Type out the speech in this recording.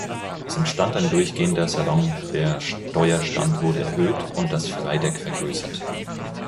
Es entstand ein durchgehender Salon, der Steuerstand wurde erhöht und das Freideck vergrößert.